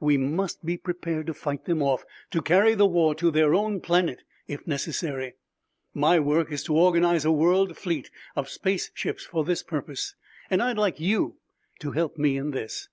We must be prepared to fight them off, to carry the war to their own planet if necessary. My work is to organize a world fleet of space ships for this purpose, and I'd like you to help me in this.